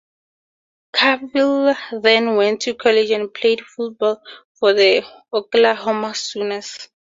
Cavil then went to college and played football for the Oklahoma Sooners.